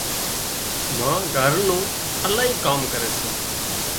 ما گھر نان الاهي ڪام ڪري سي